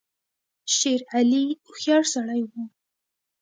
شېر علي هوښیار سړی وو.